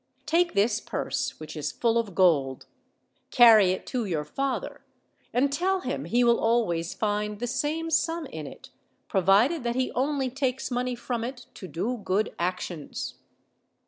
Take this purse, which is full of gold, carry it to your father, and tell him he will always find the same sum in it, provided that he only takes money from it to do good actions.'